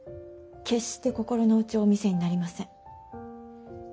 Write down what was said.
決して心の内をお見せになりません。